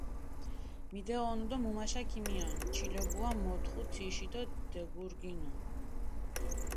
მიდეჸონუ დო მუმაშა ქიმიჸონ, ჩილობუა მოთხუ თიში დო დეგურგინუ.